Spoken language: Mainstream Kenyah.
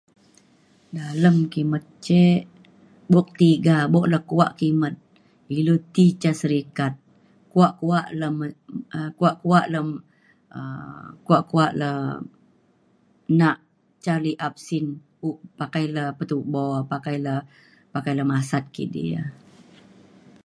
dalem kimet ce' bok tiga bok le kuak kimet ilu ti ca syarikat kuak kuak le me um kuak kuak le um kuak kuak le nak ca liap sin u' pakai le petubo pakai le pakai le masat kidi e.